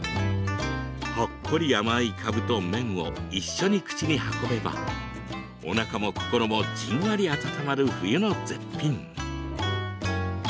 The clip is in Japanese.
ほっこり甘いかぶと麺を一緒に口に運べばおなかも心も、じんわり温まる冬の絶品。